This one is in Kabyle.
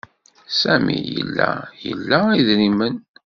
Sami yella ila idrimen.